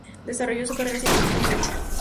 Desarrolló su carrera científica en el "Dto.